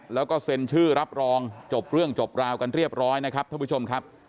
แล้วก็เซ็นชื่อรับรองจบเรื่องจบราวกันเรียบร้อยนะครับท่านผู้ชมครับ